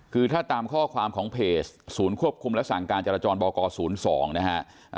คือถ้าตามข้อความของเพจศูนย์ควบคุมและสั่งการจรจรบก๐๒นะฮะ